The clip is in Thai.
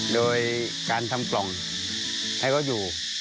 โดยการทำกล่องให้เขาอยู่